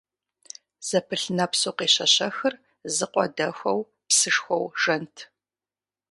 Зэпылъ нэпсу къещэщэхыр зы къуэ дэхуэу псышхуэу жэнт.